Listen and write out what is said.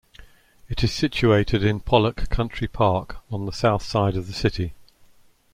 It is situated in Pollok Country Park on the south side of the city.